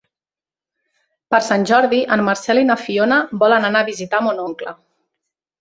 Per Sant Jordi en Marcel i na Fiona volen anar a visitar mon oncle.